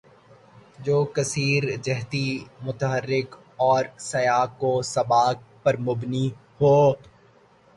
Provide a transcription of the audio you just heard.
جو کثیر جہتی، متحرک اور سیاق و سباق پر مبنی ہو